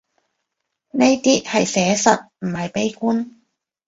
呢啲係寫實，唔係悲觀